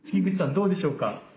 どうでしょうか？